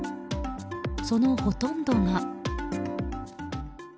そのほとんどが。